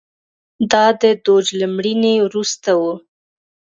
دا د دوج له مړینې وروسته و